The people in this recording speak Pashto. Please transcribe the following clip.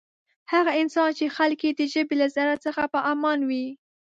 هغه انسان چی خلک یی د ژبی له ضرر څخه په امان وی.